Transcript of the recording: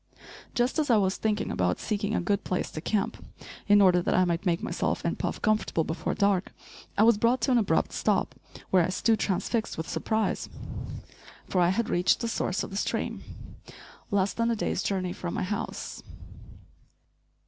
Just as I was thinking about seeking a good place to camp in order that I might make myself and Puff comfortable before dark, I was brought to an abrupt stop, where I stood transfixed with surprise; for I had reached the source of the stream, less than a day's journey from my house.